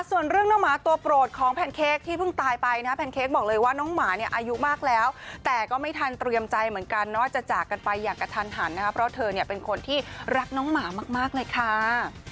ส่วนเรื่องน้องหมาตัวโปรดของแพนเค้กที่เพิ่งตายไปนะแพนเค้กบอกเลยว่าน้องหมาเนี่ยอายุมากแล้วแต่ก็ไม่ทันเตรียมใจเหมือนกันนะว่าจะจากกันไปอย่างกระทันหันนะครับเพราะเธอเนี่ยเป็นคนที่รักน้องหมามากเลยค่ะ